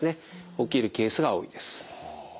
起きるケースが多いです。